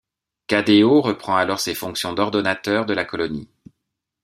Cadéot reprend alors ses fonctions d'ordonnateur de la colonie.